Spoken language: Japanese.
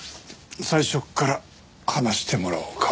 最初から話してもらおうか。